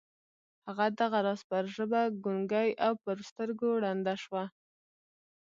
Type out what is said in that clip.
هغه دغه راز پر ژبه ګونګۍ او پر سترګو ړنده شوه